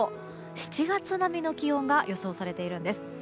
７月並みの気温が予想されているんです。